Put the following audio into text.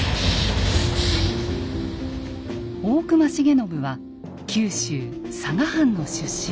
大隈重信は九州佐賀藩の出身。